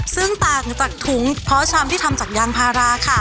ซึ่งต่างจากถุงพอร์ชัมที่ทำจากยางภารา